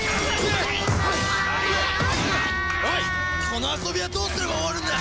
この遊びはどうすれば終わるんだ？